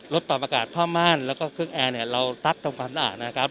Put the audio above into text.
รถปรับอากาศผ้าม่านแล้วก็เครื่องแอร์เนี้ยเราตั๊กตรงฟันอ่านนะครับ